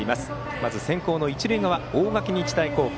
まず先攻の一塁側大垣日大高校。